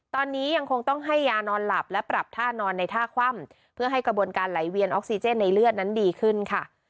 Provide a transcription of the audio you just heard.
ตอนนี้ยังคงต้องให้ยานอนหลับและปรับท่านอนในท่าคว่ำเพื่อให้กระบวนการไหลเวียนออกซิเจนในเลือดนั้นดีขึ้นค่ะ